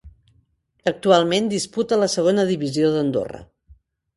Actualment disputa la Segona Divisió d'Andorra.